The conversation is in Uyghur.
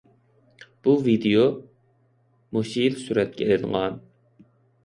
بۇ ۋىدىيو مۇشۇ يىل سۈرەتكە ئېلىنغان.